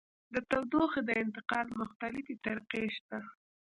د تودوخې د انتقال مختلفې طریقې شته.